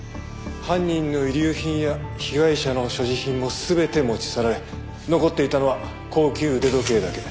犯人の遺留品や被害者の所持品も全て持ち去られ残っていたのは高級腕時計だけ。